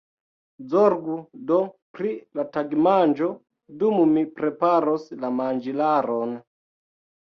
Zorgu do pri la tagmanĝo, dum mi preparos la manĝilaron.